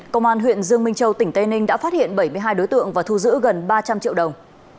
công an huyện dương minh châu tỉnh tây ninh đã phát hiện bảy mươi hai đối tượng và thu giữ gần ba trăm linh triệu đồng